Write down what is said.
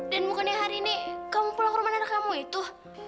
dan bukannya hari ini kamu pulang ke rumah anak kamu itu